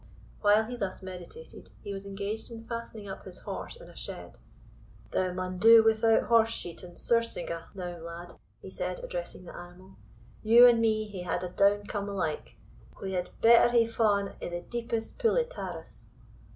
While he thus meditated, he was engaged in fastening up his horse in a shed. "Thou maun do without horse sheet and surcingle now, lad," he said, addressing the animal; "you and me hae had a downcome alike; we had better hae fa'en i, the deepest pool o' Tarras."